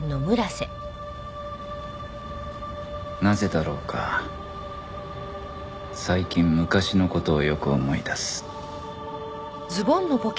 なぜだろうか最近昔の事をよく思い出す